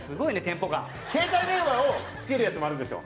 携帯電話をくっつけるやつもあるんですよ。